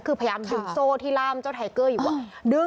คือพยายามดึงโซ่ที่ล่ามเจ้าไทเกอร์อยู่